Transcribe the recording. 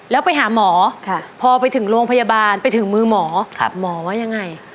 แล้วไปหาหมอพอไปถึงโรงพยาบาลไปถึงมือหมอหมอว่ายังไง